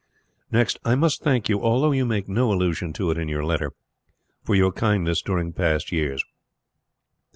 "Next, I must thank you, although you make no allusion to it in your letter, for your kindness during past years.